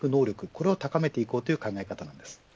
これを高めていこうという考え方です。